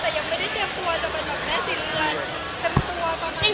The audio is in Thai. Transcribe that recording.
แต่ยังไม่ได้เตรียมตัวจะเป็นแม่ศรีเรือน